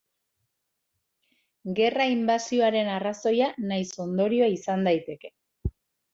Gerra inbasioaren arrazoia nahiz ondorioa izan daiteke.